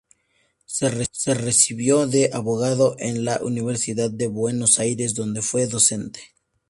Se recibió de abogado en la Universidad de Buenos Aires, donde fue docente.